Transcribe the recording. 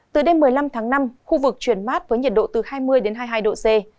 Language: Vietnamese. từ đêm một mươi năm tháng năm khu vực chuyển mát với nhiệt độ từ hai mươi đến hai mươi hai độ c